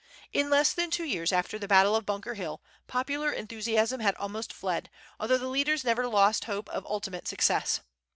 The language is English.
In less than two years after the battle of Bunker Hill popular enthusiasm had almost fled, although the leaders never lost hope of ultimate success.